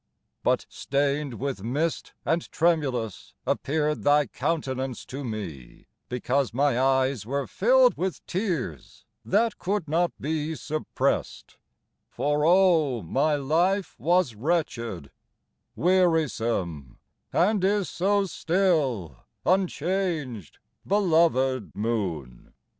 But stained with mist, and tremulous, appeared Thy countenance to me, because my eyes Were filled with tears, that could not be suppressed; For, oh, my life was wretched, wearisome, And is so still, unchanged, belovèd moon!